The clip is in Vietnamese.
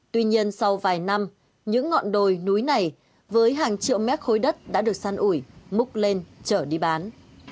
tuy nhiên sau vài năm những ngọn đồi núi này với hàng triệu mét khối đất đã được săn ủi múc lên trở đi bán